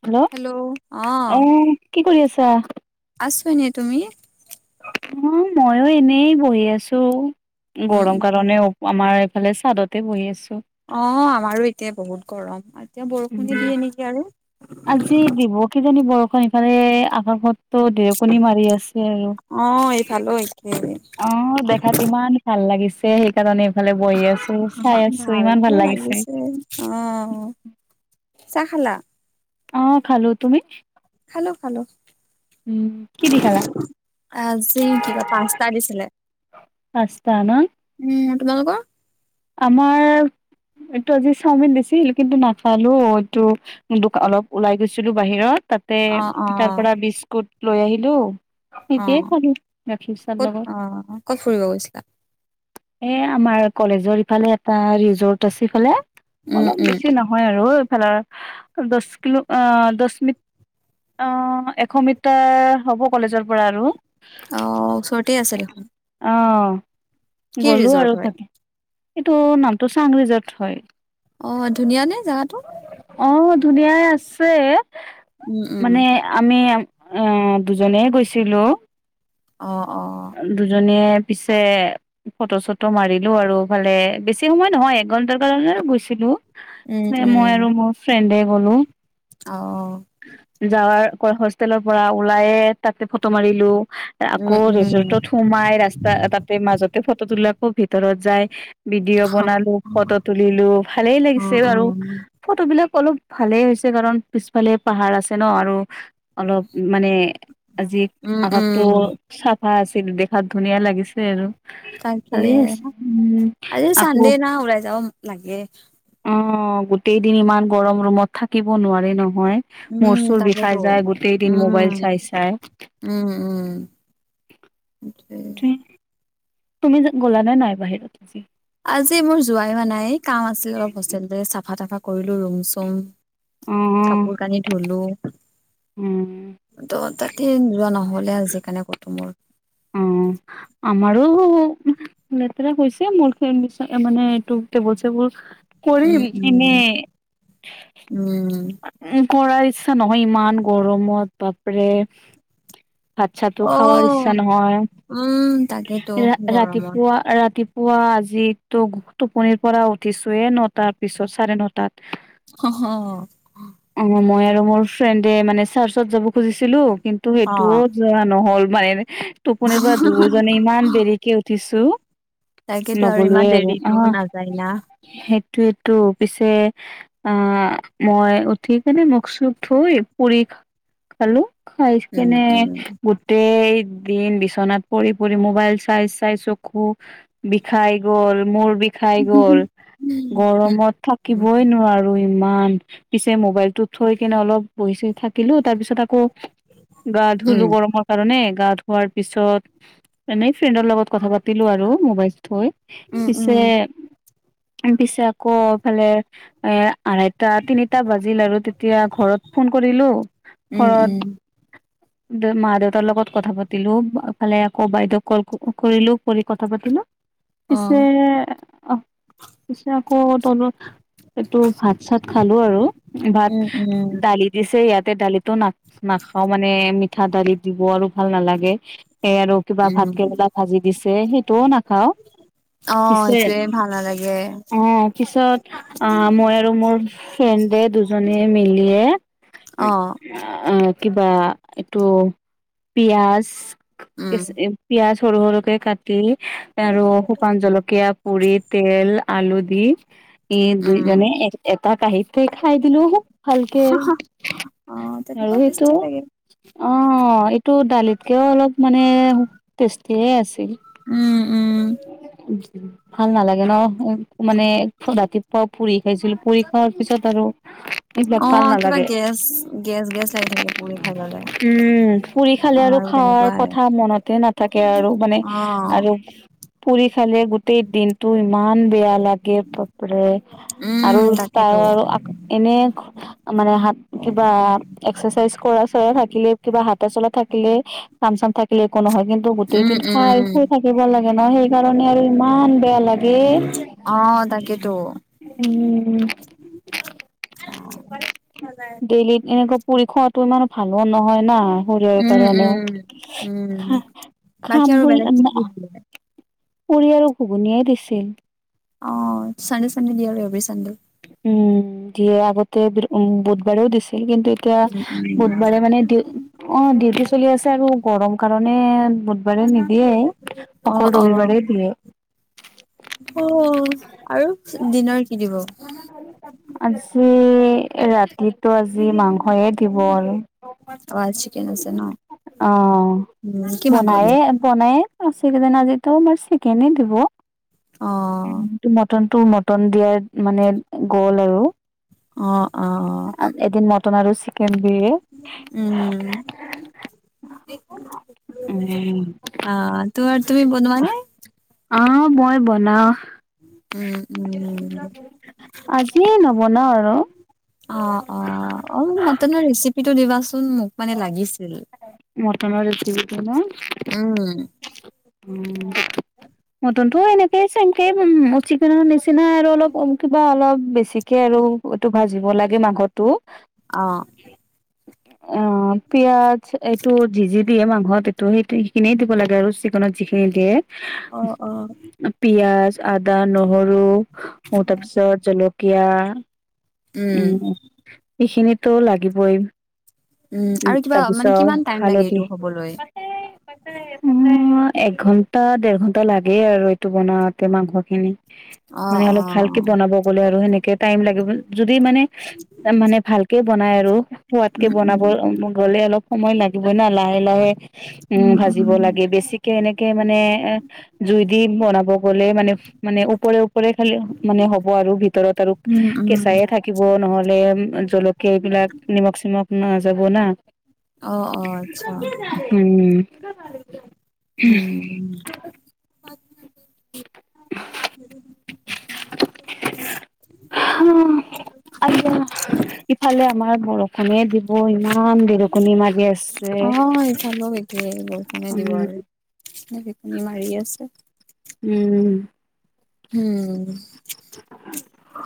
Hello আহ কি কৰি আছা আছোঁ এনে তুমি অ মইও এনেই বহি আছো উম গৰম উম উম। কাৰণে আমাৰ ভালে ছ্বাদতে বহি আছো অ আমাৰো এতিয়া বহুত গৰম এতিয়া বৰষুণে উম, দিয়ে নেকি আৰু আজি দিব কিজানি বৰষুণ সফালে আকাশত ত দেৰকণী মাৰি আছে আৰু অ এইফালো একেই অ দেখাত ইমান ভাল লাগিছে সেইকাৰণে এইফালে বহি আছো চাই আছো ইমান ভালতো ভাল লাগিছে আহ চাহ খালা আহ খালো তুমি খালো খালো উম কি দি খালা আজি কিবা পাঁচটা দিছিলে পাঁচটা না উম তোমালোকৰ আমাৰ এইটো আজি চাওমিন দিছিল কিন্তু নাখালো এইটো দোকান অলপ ওলাই গৈছিলো বাহিৰত তাতে অ অ তাৰ পৰা বিস্কুট লৈ আহিলো অ থিকে খালো গাখি চাৰ ক'ত অ ক'ত লগত ফুৰিব গৈছিলা এ আমাৰ কলেজৰ ইফালে এটা ৰিজৰ্ট আছে ইফালে উম অলপ উম বেছি নহয় আৰু এইফালে দহ কিলো দহ মিনট অ এশ মিটাৰ হ'ব কলেজৰ পৰা আৰু আহ ওচৰতে আছে দেখোন অ কি গলো ৰিজৰ্ট আৰু হয় তাতে এইটো নামটো চাংৰিজত হয় অ ধুনীয়া নে জাগাটো অ ধুনীয়াাই আছে উম উম মানে আমি আহ দুজনে গৈছিলো অ অ দুজনিয়ে পিছে ফটো চটো মাৰিলো আৰুফালে বেছি সময় নহয় এক ঘন্টাৰ কাৰণে গৈছিলো উম এ মই উম আৰু মোৰ ফ্ৰেণ্ডে গ'লো অ যাৱাৰ ক হোষ্টেলৰ পৰা ওলাই তাতে ফটো মাৰিলো উম আকৌ উম ৰিজৰ্টত সোমাই ৰাস্তা তাতে মাজতে ফটো তোলাক খুব ভিতৰত যায় ভিডিঅ' উম, বনালো ফটো তুলিলো ভালেই লাগিছে বাৰু উম, ফটো বিলাক অলপ ভালে হৈছে কাৰণ পিছফালে পাহাৰ আছে ন আৰু অলপ মানে আজি উম, আভা টো উম, চাফা আছিল দেখাত ধুনীয়া লাগিছে আৰু তাকে ভালেই আছে উ আজি আকৌ চানডে না ওলাই যাব লাগে। অ অ গোটেই দিন ইমান গৰম ৰুমত থাকিব নোৱাৰে ন মই মোৰ উম, চুৰ বিষাই তাকেতো যায় গোটেই দিন উম, মবাইল চাই চাই উ উম, উম। সেইটোৱে। তুমি গ'লা নে নাই বাহিৰত আজি আজি মোৰ যোৱাই হোৱা নাই কাম আছিল অলপ হোষ্টেলতে চাফা তাফা কৰিলো ৰুম চুম অ কাপোৰ কানি ধলো উম ত' তাতে যোৱা নহয় হ'লে আ যি কেণে কতো মোৰ অ আমাৰো লেতেৰা হৈছে মোৰ ফেন বিছ মানে এইটো টেবুল চেবুল কৰিম উম, উম, উম, এনেই কৰাই ইচ্ছা নহয় ইমান গৰমত বাপৰে ভাত চাত তো খোৱাৰ ইচ্ছা অ'। উম, তাকেতো নহয় গৰমত ৰাতিপুৱা ৰা ৰাতিপুৱা আজিতো টোপনিৰ পৰা উঠিছো এ নটাৰ পিছত চাৰে নটাত অ হ অ মই আৰু মোৰ ফ্ৰেণ্ডে মানে চাৰ্চত যাব খুজিছিলো কিন্তু সেইটোও যোৱা নহল মানে টোপনিৰ পৰা মানে ইমান দেৰিকে উঠিছো তাকেতো ইমান নগলোৱে আৰু অ দেৰিতো নাযায় না সেই টো পিছে আহ মই উঠি কেনে মখ চুখ থৈ পুৰি খালো খাই উম, কিনো উম। গোটেই দিন বিচনা পৰি পৰি মোবাইল চাই চাই চকু বিষাই গল মোৰ বিষাই উম, গ'ল উম, উম, গৰমত থাকিবই নোৱাৰো ইমান পিছে মোবাইলতটোত থৈ কেনে অলপ বইচ থাকিলো তাৰ পিছত আকৌ গা ধুলো গৰমৰ কাৰণে গা ধোৱাৰ পিছত এনে ফ্ৰেণ্ডৰ লগত কথা পাতিলোঁ আৰু মোবাইল থৈ পিছে পিছে আকৌফালে এ আঢ়ৈটা তিনিটা বাজিল আৰু তেতিয়া ঘৰত ফোন কৰিলো ঘৰত দে মা দেউতাৰ লগত কথা পাতিলো ভালে আকৌ বাইদেউ কল কৰিলো কৰি কথা পাতিলো পিছে অ'। পিছে আকৌ ত এইটো ভাত চাত খালো আৰু ভাত উম, উম, দালি দিছে ইয়াতে দালিিতটো না নাখ অ মানে পিঠা দাৰি দিব আৰু ভাল নালাগে স আৰু কিবা ভাত কেেৰেলা ভাজি দিছে সেইটোও না অ সেইটোয়ে ভাল নালাগে অ পিছত অ মই আৰু মোৰ ফ্ৰেণ্ডে দুজননে মিলিয়ে অ', অ কিবা এইটো পিয়াজ কে উম। পিয়াজ সৰু সৰুকে কাটি আৰু শুকান জলকীয়া পুৰি তেল আলু দি এই উম, দুইজনে এটা কাঁহীত খাই দিলো হু ভালকে অ', আৰু তেনেকুৱাও ইটো টেষ্টি লাগে অ টো দালিতকেও অলপ মানে টেষ্টি হে আছিল উম, উম, ভাল নালাগে ন উ মানে ৰাতিপুৱা পুৰি খাইছিলো পুৰি খোৱাৰ পিছত আৰু এইবিলাক ভাল অ', কিবা নালাগে গেছ গেছ গেছ লাগি থাকে পুৰি খাই ল'লে উম পুৰি খালে আৰু আমাৰো খোৱাৰ তেনেকুৱাই কথা মনতে নাথাকে আৰু মানে অ'। আৰু ফুৰি খালে গোটেই দিনতটো ইমান বেয়া লাগে কপ় উম, আৰু তাকেতো তাৰ এনে মানে হাত কিবা এক্সাৰচাইজ কৰা লা থাকিলে কিবা হা চলা থাকে থাকিলে কাম চাম থাকিলে একো নহয় কিন্তু গোটেই উম, দিন খাই শুই উম, থাকিব লাগে ন সেইকাৰণে আৰু ইমান বেয়া লাগে অ', তাকেতো উম প ভল এনেকে পুৰি খোৱাতটো ইমান ভালো নহয় না শৰীৰৰ উম, কাৰণেও উম। উম, বাকী খাম আৰু বুলি বেলেগ কি কি দিয়ে পৰিয়ালক ঘুগুনিয়াই দিছিল অ চান্ চানি দিয় আৰু ব চান্দে উম দিয় আগতে বুধবাৰেও দিছে কিন্তু এতিয়া উম, উম, বুধবাৰে মানেউ অ ডিউটি চলি আছে আৰু গৰম কাৰণে বুধবাৰে নিদিয়ে অ', অকল অ', ৰবিবাৰে দিয়ে অ', আৰু দিনৰ কি দিব আজি ৰাতিটো আজি মাংসয়ে দিব আৰু অ', আজি চিকেন আছে ন? অ উম, কি মাংস বনায় দিয়ে? বনায় আছে কিজানি আজিতো আমাৰ চিকেনে দিব অ', উ মটন তোৰ মটন দিয়াৰ মানে গ'ল আৰু অ অ অ এদিন মটন আৰু চিকেন দিয়ে উম, উম অ তোমাৰ তুমি বনোৱা নে অ মই বনাও উম উম উম আজিয়ে নবনাও আৰু অ অ অ মতেনৰ ৰেচিপিটো দিবাচোন মোক মানে লাগিছিল মটনৰ ৰেচিপিটো ন উম উম মটনতটো এনেকেই চ এনকে উ চিকেনৰ নিচিনাাই আৰু অলপ কিবা অলপ বেছিকে আৰু এইটো ভাজিব লাগে মাংসতটো অঁ অ পিয়াঁজ এইটো যি যি দিয়ে মাংসত এইটো সেই সেইখিনি দিব লাগে আৰু ত যিখিনি দিয়ে আহ অ পিয়াজ, আদা নহৰু উ তাৰপিছত জলকীয়া উম এইখিনিতো লাগিবই উম, উ আৰু কিবা মানে তাৰপিছত কিমান টাইম লাগে হালধি এইটো হ'বলৈ? এক ঘন্টা দেৰ ঘন্টা লাগে আৰু এইটো বনাওতে মাংসখিনি মানে অ', অলপ ভালকে অ', বনাব গলে আৰু সেনেকে টাইম লাগিব যদি মানে মানে ভালকে বনাই আৰু সোৱাদকে উম, বনাব উম, গলে অলপ সময় লাগিব হয় না লাহে লাহে উম ভাজিব লাগে বেছিক এনেকে মানে এ জুই দি বনাব গ'লে মানে মানে ওপৰে ওপৰে খালি মানে হব আৰু ভিতৰত আৰু উম, উম, কেঁচাই থাকিব নহলে জলকীয়া এইবিলাক নিমখ চিমখ না যাব না অ অ আচ্ছা উম উম [unintelligible] আইয়া ইফালে আমাৰ বৰষুণে দিব ইমান ইমান ঢেৰেকণি মাৰি আছে অ', ইফালেও ধেৰেকণি মাৰি আছে উম উম উ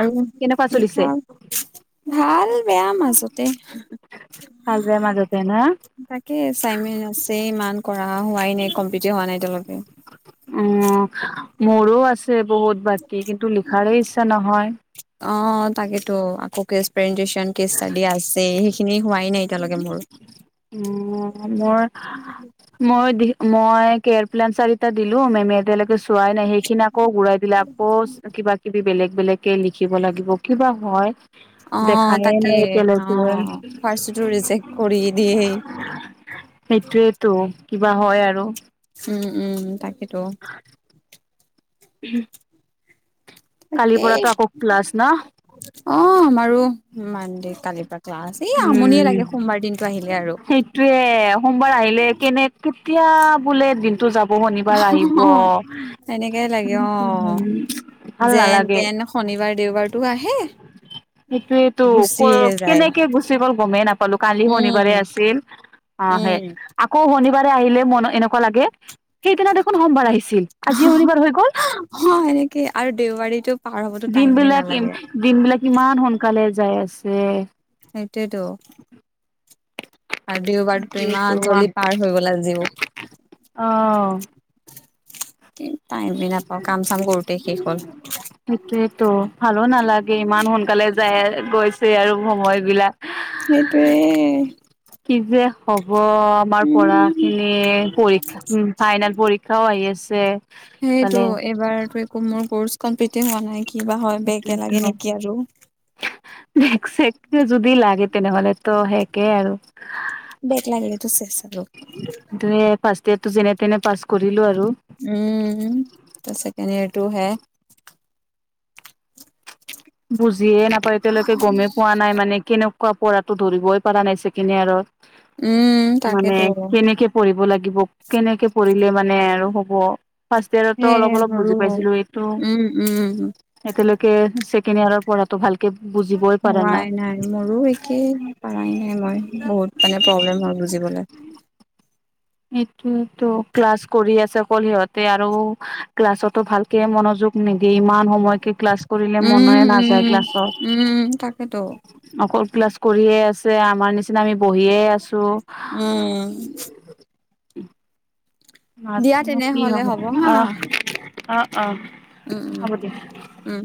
আৰু চলিছে? লিখা ভাল বেয়া মাজতে ভাল বেয়া মাজতে না? তাকে চাইমিন আছে ইমান কৰা হোৱাই নাই কমপিট হোৱা নাই তেওঁলোকে উম মোৰো আছে বহুত বাকী কিন্তু লিখাৰে ইচ্ছা নহয় অ তাকেতো আকৌ কেস্পেণ্টেচন কেছ ষ্টাডি আছে সেইখিনি হোৱাই নাই এতিয়ালৈকে মোৰ উ মই মই দি মই কেপ্লাইন চাৰিটা দিলো মেমএএতিয়া লৈকে চুয়াই নাই চোৱাই নাই সেইখিনি আকৌ ঘুৰাই দিলে আকৌ কিবা কিবি বেলেগ বেলেকে লিখিব লাগিব কিবা হয় অ', দেখায়ে তাকে নাই এতিয়ালৈকে অ', ফাৰ্ষ্টতো ৰিজেক্ট কৰি দিয়েই। সেইটোয়েই টো কিবা হয় আৰু উম উম তাকেইতো হ কালিৰ তাকেই পৰাটো আকৌ ক্লাছ ন অ আমাৰো মান দে কালিৰ পৰা ক্লাছ এই আমনিয়ে উম, লাগে সোমবাৰ দিনটো আহিলে আৰু সেইটোয়ে সোমবাৰ আহিলে কেনেক কেতিয়া বোলে দিনটো যাব শনিবাৰ আহিব সেনেকে লাগে অ উম ভাল যেন নালাগে তেন শনিবাৰ দেওবাৰতো আহে সেইটোয়েইটো ক গুচিয়ে যায় কেনেকে গুচি গ'ল গমেই নাপালো কালি উম শনিবাৰ আছিলে অ সে উম আকৌ শনিবাৰ আহিলে মন এনেকুৱা লাগে সেইদিনা দেখোন সোমবাৰ আহিছিল আজি শনিবাৰ হৈ গল অ এনেকে আৰু দেওবাৰীতো পাৰ হবতো দিন টাইমে বিলাক নালাগে দিনবিলাক ইমান সোনকালে যাই আছে সেইটোয়েটো আৰু দেওবাৰতো সেইটোয়েতো ইমান জল্দি পাৰ হৈ গল আজিও অ টাইমি নাপাওঁ কাম চাম কৰোতে শেষ হ'ল সেইটোয়েতো ভালো নালাগে ইমান সোনকালে যায় গৈছে আৰু সময় বিলাক সেইটোয়ে কি যে হব আমাৰ উম পঢ়াখিনি পৰীক্ষা ফাইনেল পৰীক্ষাও আহি আছে সেইটো ইফালে এইবাৰতো একো মোৰ কৰ্চ কমপ্লিতে হোৱা নাই কিবা হয় বেকে সেইটোৱেটো লাগে নেকি আৰু বেক চেক যদি লাগে তেনেহলে তো সেষে আৰু বেক লাগিলে টো চেচ বি এ তো যেনে তেনে পাছ কৰিলো আৰু উম ছেকেণ্ড ইয়েৰটো হেয়া বুজিয়ে নাপাও এতিয়া লৈকে গমেই পোৱা নাই মানে কেনেক কোৱা পঢ়াতো ধৰিবই পৰা নাইছে কিনে আৰু উম, মানে তাকেতো কেনেকে পঢ়িব লাগে লাগিব কেনেকে পঢ়িলে মানে আৰু হ'ব ফাৰ্ষট ইয়াতো সেই অলপ অলপ মোৰো বুজি পাইছিলো এইটো উম, উম। এতিয়ালৈকে ছেকেণ্ডিৰ ইয়াৰত প়ঢ়াটো ভাল নাই নাই মোৰো একেই পাই নাই মই বহুত মানে প্ৰব্লেম হ বু বলে [inaudible] সেইটোয়েটো ক্লাছ কৰি আছে অকল সিহতে আৰু ক্লাছতো ভালকে মনযোগ নিদিয়ে ইমান সময়কে ক্লাছ কৰিলে মন উম, নাযায় উম, ক্লাছৰ উম, তাকেতো অকল ক্লাছ কৰিয়ে আছে আমাৰ নিচিনা আমি বহিয়ে আছো উম উ দিয়া মাজো কি তেনেহ'লে হ'ব হা আহ আহ আহ উম উম উম